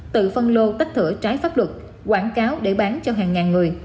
tự phân lô tách thửa trái pháp luật quảng cáo để bán cho hàng ngàn người